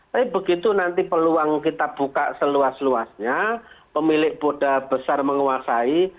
tapi begitu nanti peluang kita buka seluas luasnya pemilik modal besar menguasai